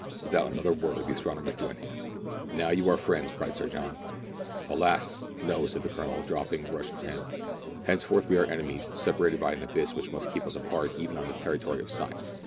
Without another word the astronomers joined hands. " Now you are friends," cried Sir John. " Alas ! no/' said the Colonel, dropping the Rus'^ian's hand ;" henceforth we are enemies, separated by an abyss which must keep us apart even on the territory of science."